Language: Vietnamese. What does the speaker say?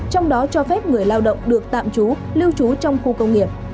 trong đó cho phép người lao động được tạm trú lưu trú trong khu công nghiệp